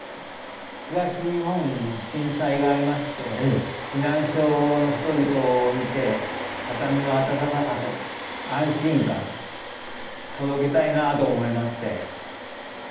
東日本の震災がありまして避難所の人々を見て畳のあたたかさと安心感届けたいなと思いまして。